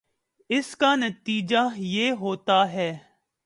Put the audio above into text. اس کا نتیجہ یہ ہوتا ہے